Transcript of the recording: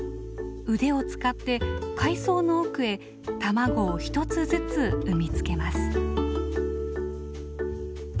腕を使って海藻の奥へ卵を１つずつ産み付けます。